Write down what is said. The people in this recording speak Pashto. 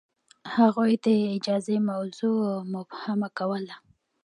هغوی د اجازه موضوع مبهمه کوله.